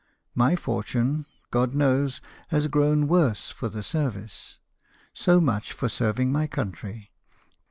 My fortune, God knows, has grown worse for the service : so much for serving my country.